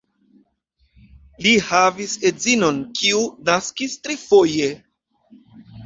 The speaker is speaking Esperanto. Li havis edzinon, kiu naskis trifoje.